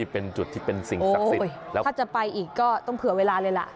เป็นจุดที่เป็นสิ่งศักดิ์สิทธิ์แล้วถ้าจะไปอีกก็ต้องเผื่อเวลาเลยล่ะ